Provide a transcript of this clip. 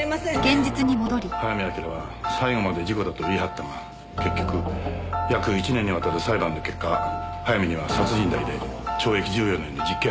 早見明は最後まで事故だと言い張ったが結局約１年にわたる裁判の結果早見には殺人罪で懲役１４年の実刑判決が下った。